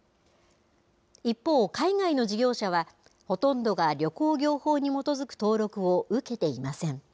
一方、海外の事業者は、ほとんどが旅行業法に基づく登録を受けていません。